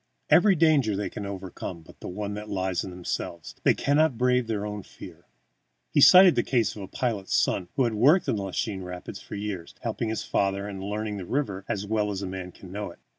Every danger they can overcome but the one that lies in themselves. They cannot brave their own fear. He cited the case of a pilot's son who had worked in the Lachine Rapids for years, helping his father, and learned the river as well as a man can know it.